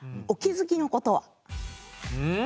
お気付きのことは？